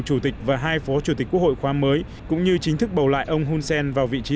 chủ tịch và hai phó chủ tịch quốc hội khóa mới cũng như chính thức bầu lại ông hun sen vào vị trí